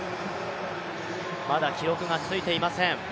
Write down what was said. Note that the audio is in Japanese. まだ記録がついていません。